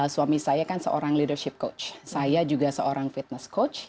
suami saya kan seorang leadership coach saya juga seorang fitness coach